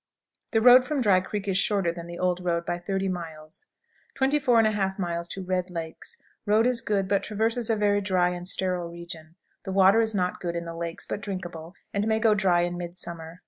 The road from Dry Creek is shorter than the old road by 30 miles. 24 1/2. Red Lakes. Road is good, but traverses a very dry and sterile region. The water is not good in the lakes, but drinkable, and may go dry in midsummer.